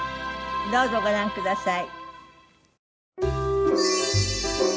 どうぞご覧ください。